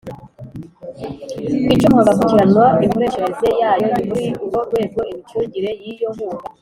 Ku icumu hagakurikiranwa imikoresherereze yayo ni muri urwo rwego imicungire y iyo nkunga